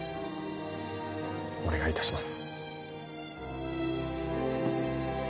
お願いいたします。